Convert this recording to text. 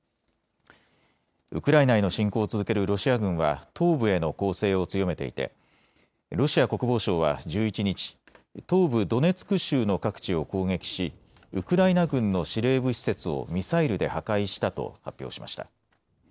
ウクライナへの侵攻を続けるロシア軍は東部への攻勢を強めていてロシア国防省は１１日、東部ドネツク州の各地を攻撃しウクライナ軍の司令部施設をミサイルで破壊したと発表しました。